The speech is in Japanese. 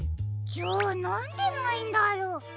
じゃあなんでないんだろう？